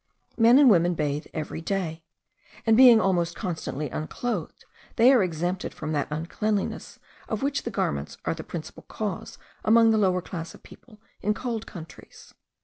Men and women bathe every day; and being almost constantly unclothed, they are exempted from that uncleanliness, of which the garments are the principal cause among the lower class of people in cold countries.